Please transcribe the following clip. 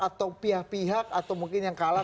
atau pihak pihak atau mungkin yang kalah